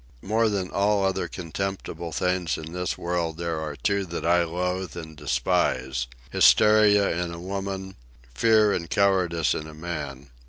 More than all other contemptible things in this world there are two that I loathe and despise: hysteria in a woman; fear and cowardice in a man.